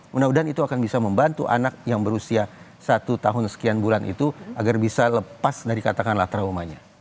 mudah mudahan itu akan bisa membantu anak yang berusia satu tahun sekian bulan itu agar bisa lepas dari katakanlah traumanya